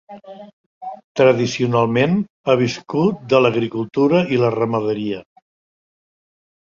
Tradicionalment, ha viscut de l'agricultura i la ramaderia.